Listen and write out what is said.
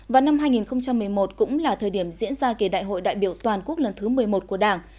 và năm hai nghìn một mươi một cũng là thời điểm diễn ra kỳ đại hội đại biểu toàn quốc lần thứ một mươi một của đảng